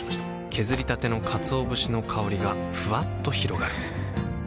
削りたてのかつお節の香りがふわっと広がるはぁ。